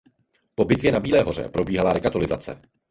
Po bitvě na Bílé hoře probíhala rekatolizace.